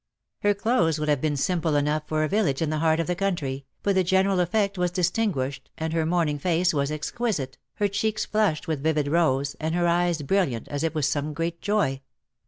Her clothes would have been simple enough for a village in the heart of the country, but the general effect was distinguished, and her morning face was exquisite, her cheeks flushed with vivid rose, and her eyes brilliant as if with some great joy.